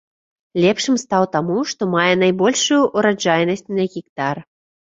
Лепшым стаў таму, што мае найбольшую ураджайнасць на гектар.